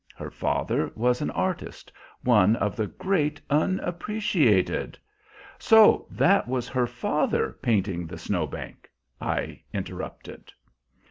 Her father was an artist one of the great unappreciated" "So that was her father painting the Snow Bank?" I interrupted.